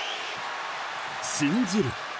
信じる。